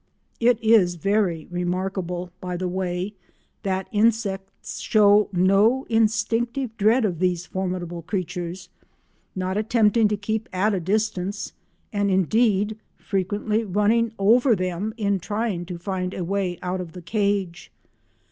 It is very remarkable, by the way, that insects show no instinctive dread of these formidable creatures, not attempting to keep at a distance, and indeed frequently running over them in trying to find a way out of the cage.